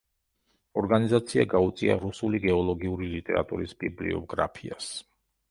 ორგანიზაცია გაუწია რუსული გეოლოგიური ლიტერატურის ბიბლიოგრაფიას.